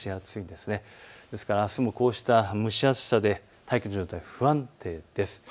ですからあすもこうした蒸し暑さで大気の状態、不安定です。